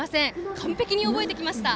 完璧に覚えてきました。